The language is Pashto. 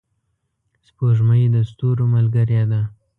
سپوږمۍ د ستورو ملګرې ده.